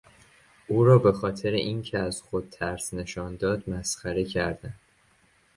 او را به خاطر اینکه از خود ترس نشان داد مسخره کردند.